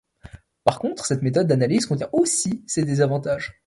Par contre, cette méthode d’analyse contient aussi ses désavantages.